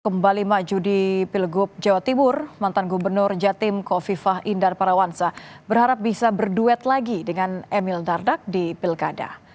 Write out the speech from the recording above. kembali maju di pilgub jawa timur mantan gubernur jatim kofifah indar parawansa berharap bisa berduet lagi dengan emil dardak di pilkada